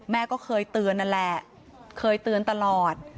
แม่ก็เคยเตือนนั่นแหละเคยเตือนตลอด